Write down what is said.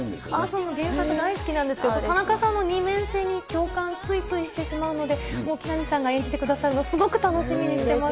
そう、原作大好きなんですけど、田中さんの２面性に共感、ついついしてしまうので、木南さんが演じてくださるの、すごく楽うれしいです。